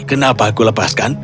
kenapa aku melepaskan